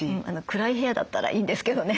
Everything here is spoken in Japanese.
暗い部屋だったらいいんですけどね。